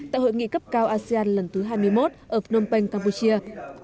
tại hội nghị cấp cao asean lần thứ hai mươi một ở phnom penh campuchia